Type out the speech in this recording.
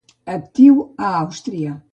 Actiu a Àustria.